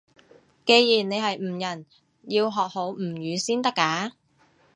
既然你係吳人，要學好吳語先得㗎